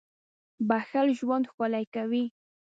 • بښل ژوند ښکلی کوي.